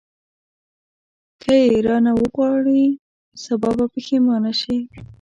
که یې راونه غواړې سبا به پښېمانه شې.